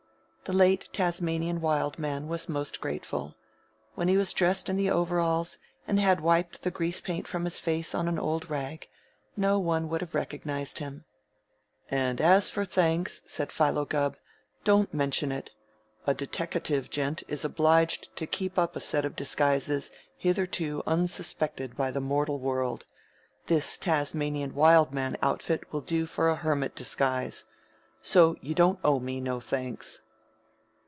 The late Tasmanian Wild Man was most grateful. When he was dressed in the overalls and had wiped the grease paint from his face on an old rag, no one would have recognized him. "And as for thanks," said Philo Gubb, "don't mention it. A deteckative gent is obliged to keep up a set of disguises hitherto unsuspected by the mortal world. This Tasmanian Wild Man outfit will do for a hermit disguise. So you don't owe me no thanks."